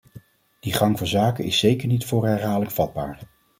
Die gang van zaken is zeker niet voor herhaling vatbaar.